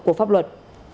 của pháp luật